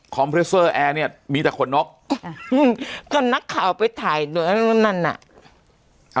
คอมเพรสเซอร์แอร์เนี้ยมีแต่ขนนกก็นักข่าวไปถ่ายตัวนั้นน่ะ